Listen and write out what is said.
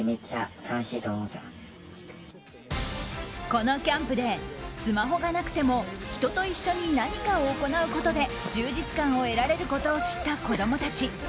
このキャンプでスマホがなくても人と一緒に何かを行うことで充実感を得られることを知った子供たち。